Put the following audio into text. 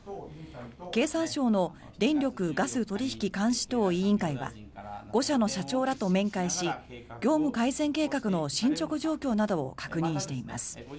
経産省の電力・ガス取引監視等委員会は５社の社長らと面会し業務改善計画の進ちょく状況などを確認しています。